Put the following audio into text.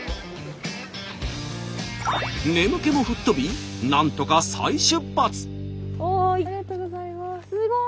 眠気も吹っ飛びなんとか再出発。